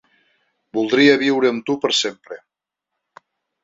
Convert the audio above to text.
Voldria viure amb tu per sempre.